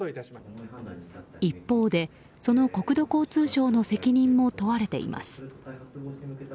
一方でその国土交通省の責任も問われています。